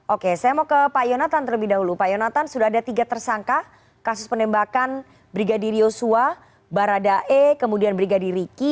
oke saya mau ke pak yonatan terlebih dahulu pak yonatan sudah ada tiga tersangka kasus penembakan brigadir yosua baradae kemudian brigadir riki